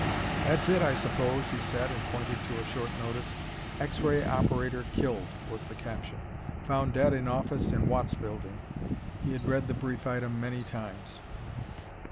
"That's it, I suppose," he said, and pointed to a short notice. "X ray Operator Killed," was the caption. "Found Dead in Office in Watts Building." He had read the brief item many times.